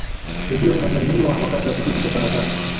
redio inajaribiwa wakati wa kipindi cha utangazaji